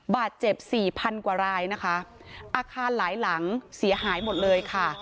บาดเจ็บ๔๐๐๐กว่าลายอาคารหลายหลังเสียหายหมดเลย